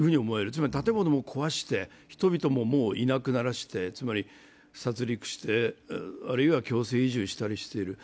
つまり建物も壊して、人々もいなくして、つまり殺りくして、あるいは強制移住したりしている。